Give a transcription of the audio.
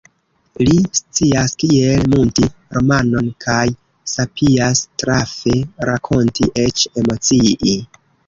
Li scias kiel munti romanon kaj sapias trafe rakonti, eĉ emocii.